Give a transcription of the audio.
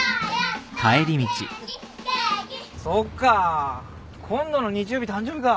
そっか今度の日曜日誕生日か。